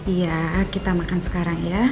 iya kita makan sekarang ya